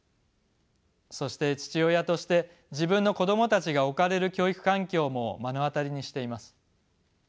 そして父親として自分の子どもたちが置かれる教育環境も目の当たりにしています。